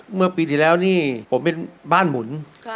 เมื่อปีที่แล้วนี่ผมเป็นบ้านหมุน